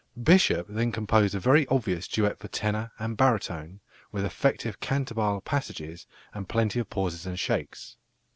Bishop then composed a very obvious duet for tenor and baritone, with effective cantabile passages and plenty of pauses and shakes.